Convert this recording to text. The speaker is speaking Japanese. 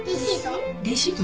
レシート？